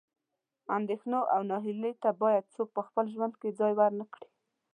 اندېښنو او نهیلۍ ته باید څوک په خپل ژوند کې ځای ورنه کړي.